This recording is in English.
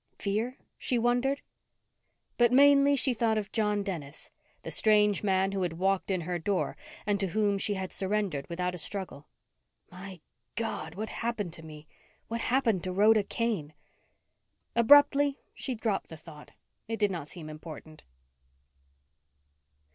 Fear? She wondered. But mainly she thought of John Dennis, the strange man who had walked in her door and to whom she had surrendered without a struggle. My God. What happened to me? What happened to Rhoda Kane? Abruptly she dropped the thought it did not seem important.